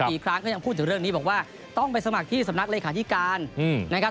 อีกครั้งก็ยังพูดถึงเรื่องนี้บอกว่าต้องไปสมัครที่สำนักเลขาธิการนะครับ